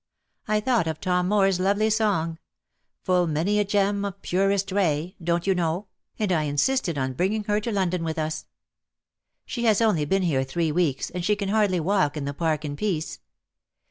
I thought of Tom Moore's lovely song, 'Full many a gem of purest ray,' don't you know, and I insisted on bringing her to London with us. She has only been here three weeks, and she can hardly walk in the Park in peace.